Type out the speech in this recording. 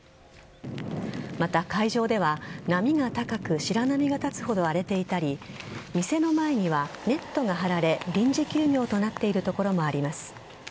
また、海上では、波が高く白波が立つほど荒れていたり店の前にはネットが張られ臨時休業となっているところもあります。